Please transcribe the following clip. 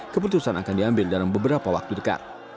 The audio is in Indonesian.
keputusan akan diambil dalam beberapa waktu dekat